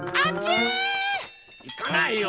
いかないよ！